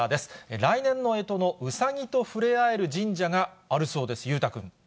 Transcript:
来年のえとのうさぎと触れ合える神社があるそうです。